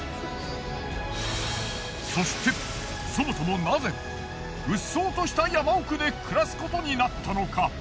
そしてそもそもナゼ鬱蒼とした山奥で暮らすことになったのか？